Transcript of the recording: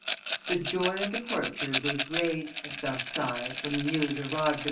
The joy of the courtiers was great, at Versailles, when the news arrived of M.